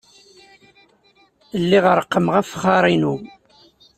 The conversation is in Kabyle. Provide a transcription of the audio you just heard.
Lliɣ reqqmeɣ afexxar-inu.